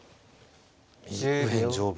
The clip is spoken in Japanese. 右辺上部。